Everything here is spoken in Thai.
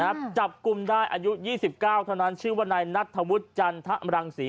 จับกลุ่มได้อายุยี่สิบเก้าเท่านั้นชื่อว่านายนัทธวุฒิจันทมรังศรี